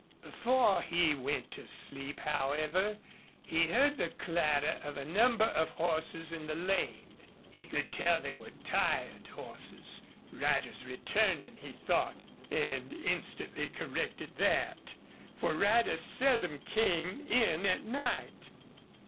Before he went to sleep, however, he heard the clatter of a number of horses in the lane. He could tell they were tired horses. Riders returning, he thought, and instantly corrected that, for riders seldom came in at night.